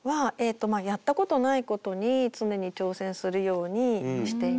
やったことないことに常に挑戦するようにしています。